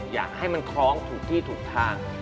อยากให้มันคล้องถูกที่ถูกทาง